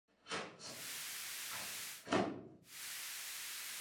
El segundo por El Burgo de Osma, La Vid, Aranda, Burgos o Valladolid"".